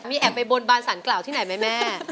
มีแอบไปบนบานศั่นกล่าวไหนไหมแม่